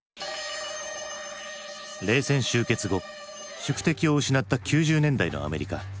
冷戦終結後宿敵を失った９０年代のアメリカ。